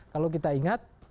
kalau kita ingat